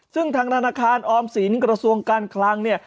ซึ่งทางธนาคารออมสินกระทรวงการคลังเนี่ย